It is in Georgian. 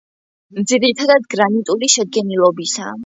ძირითადად გრანიტული შედგენილობისაა.